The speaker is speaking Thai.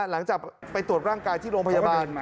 หลังจากไปตรวจร่างกายที่โรงพยาบาล